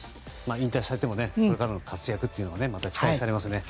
引退されてもこれからの活躍がまた期待されますね。